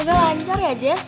gak lancar ya jess